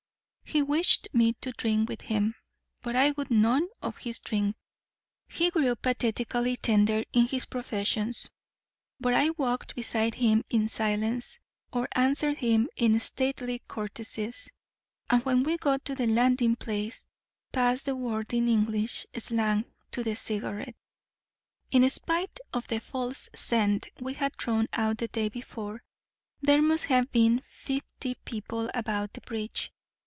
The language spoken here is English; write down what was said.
He wished me to drink with him, but I would none of his drinks. He grew pathetically tender in his professions; but I walked beside him in silence or answered him in stately courtesies; and when we got to the landing place, passed the word in English slang to the Cigarette. In spite of the false scent we had thrown out the day before, there must have been fifty people about the bridge.